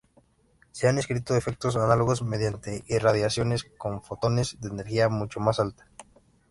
Se han descrito efectos análogos mediante irradiación con fotones de energía mucho más alta.